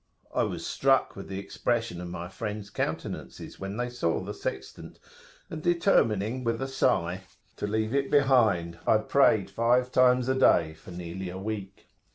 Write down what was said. I was struck with the expression of my friends' countenances when they saw the sextant, and, determining with a sigh to [p.168]leave it behind, I prayed five times a day for nearly a week.